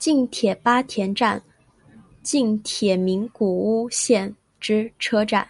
近铁八田站近铁名古屋线之车站。